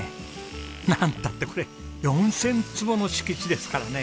なんたってこれ４０００坪の敷地ですからね。